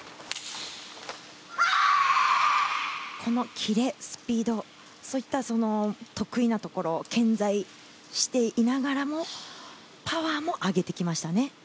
キレ、スピード得意なところ健在していながらもパワーも上げてきましたね。